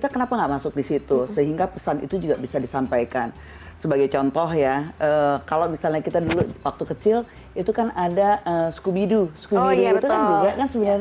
horror itu memang menjadi film tertinggi jadi memang kita mencoba untuk melihat pesan yang disampaikan itu bisa disampaikan dalam berbagai genre